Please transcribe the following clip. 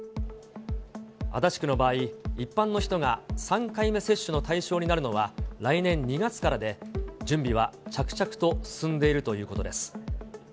足立区の場合、一般の人が３回目接種の対象になるのは、来年２月からで、準備は着々と進んでいるということです。